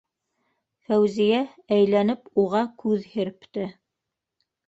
Фәүзиә әйләнеп уға күҙ һирпте: